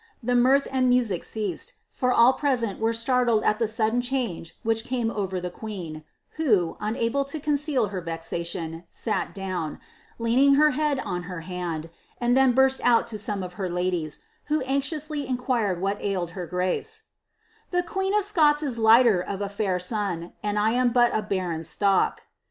The mirth and music ceased ; for all present were startled at thi ■uilden change which came over the queen, who, unable to conceal hct vexation, hbI down, leaning her head on her hand, and then burst out 10 some of her ladies, who anxiously inquired what ailed her grace —^ Tba ^■een of Scots is lighter of a lair son ; and I am but a barren stock